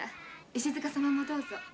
石塚様もどうぞ。